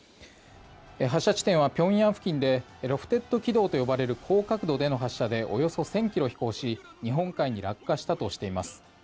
発射地点は平壌付近でロフテッド軌道と呼ばれる高角度での発射でおよそ１０００ｋｍ飛行し日本海に落下したとしています。